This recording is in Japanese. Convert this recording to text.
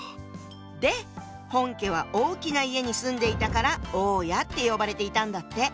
で本家は大きな家に住んでいたから「大家」って呼ばれていたんだって。